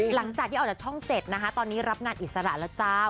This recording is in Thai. หลังจากที่ออกจากช่อง๗นะคะตอนนี้รับงานอิสระแล้วเจ้า